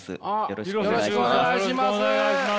よろしくお願いします。